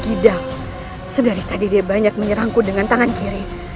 tidak sedari tadi dia banyak menyerangku dengan tangan kiri